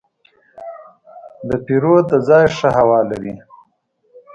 د پیرود ځای ښه هوا لري.